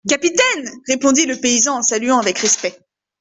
Capitaine ! répondit le paysan en saluant avec respect.